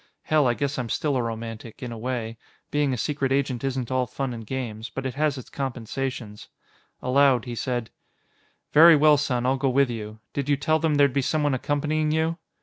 _ _Hell, I guess I'm still a romantic, in a way. Being a secret agent isn't all fun and games, but it has its compensations._ Aloud, he said, "Very well, son; I'll go with you. Did you tell them there'd be someone accompanying you?"